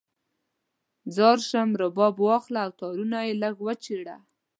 ځار شم، رباب واخله او تارونه یې لږ وچیړه